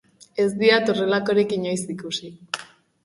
Ez diat horrelakorik inoiz ikusi.